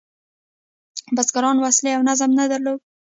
بزګرانو وسلې او نظم نه درلود.